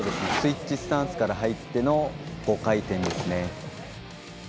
スイッチスタンスから入っての５回転です。